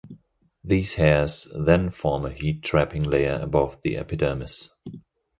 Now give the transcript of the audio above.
These hairs then form a heat-trapping layer above the epidermis.